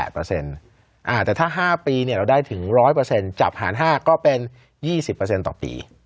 แต่ถ้า๕ปีเราได้ถึง๑๐๐จับหาร๕ก็เป็น๒๐ต่อปี